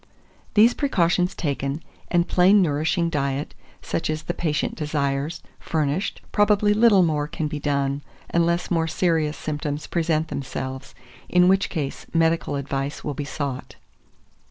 2419. These precautions taken, and plain nourishing diet, such as the patient desires, furnished, probably little more can be done, unless more serious symptoms present themselves; in which case medical advice will be sought.